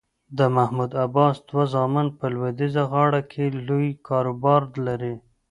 د محمود عباس دوه زامن په لویدیځه غاړه کې لوی کاروبار لري.